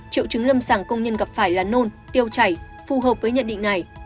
triệu chứng lâm sàng công nhân gặp phải là nôn tiêu chảy phù hợp với nhận định này